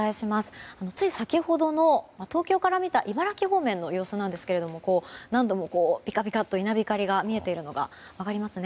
つい先ほどの東京から見た茨城方面の様子なんですが何度もビカビカッと稲光が見えているのが分かりますね。